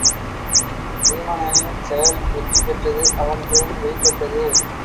வீமனின் செயல் வெற்றி பெற்றது அவன் திறன் வெளிப்பட்டது.